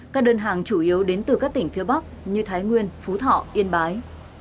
các đơn hàng chủ yếu đến từ các tỉnh phía bắc như thái nguyên phú thọ yên bái